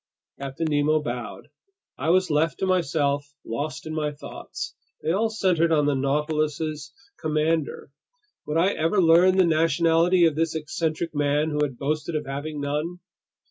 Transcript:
Captain Nemo bowed. I was left to myself, lost in my thoughts. They all centered on the Nautilus's commander. Would I ever learn the nationality of this eccentric man who had boasted of having none?